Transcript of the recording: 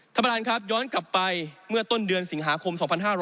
ท่านประธานครับย้อนกลับไปเมื่อต้นเดือนสิงหาคม๒๕๖๐